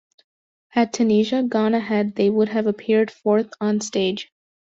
Had Tunisia gone ahead they would have appeared fourth on stage.